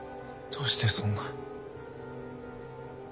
どうしてそんな。